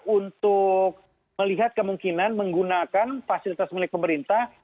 untuk melihat kemungkinan menggunakan fasilitas milik pemerintah